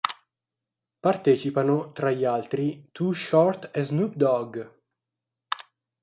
Partecipano, tra gli altri, Too Short e Snoop Dogg.